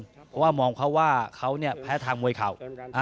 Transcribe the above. เพราะว่ามองเขาว่าเขาเนี่ยแพ้ทางมวยเข่า